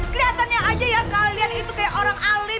kelihatannya aja ya kalian itu kayak orang alim